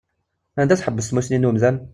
Anda tḥebbes tmusni n umdan?